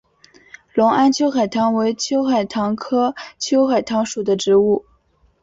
隆安秋海棠为秋海棠科秋海棠属的植物。